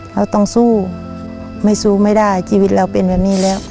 เราต้องสู้ไม่สู้ไม่ได้ชีวิตเราเป็นแบบนี้แล้ว